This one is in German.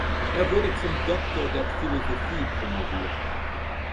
Er wurde zum Doktor der Philosophie promoviert.